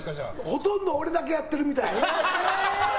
ほとんど俺だけやってるみたい。